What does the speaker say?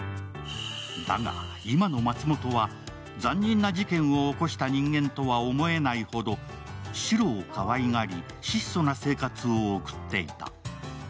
だが、今の松本は残忍な事件を起こした人間とは思えないほどシロをかわいがり、質素な生活を送っていた。